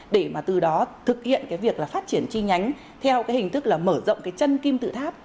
để từ đó thực hiện việc phát triển chi nhánh theo hình thức mở rộng chân kim tự tháp